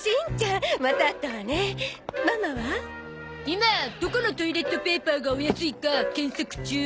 今どこのトイレットペーパーがお安いか検索中。